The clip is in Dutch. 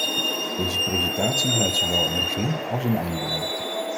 Deze presentatie luidt zowel een begin als een einde in.